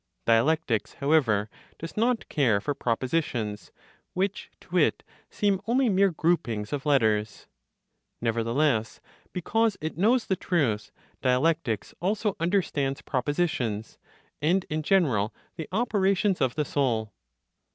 Dialectics, however, does not care for propositions, which, to it, seem only mere groupings of letters. Nevertheless, because it knows the truth, dialectics also understands propositions, and, in general, the operations of the soul.